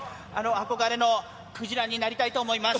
憧れのクジラになりたいと思います。